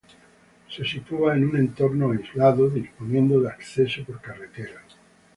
Se sitúa en un entorno aislado, disponiendo de acceso por carretera.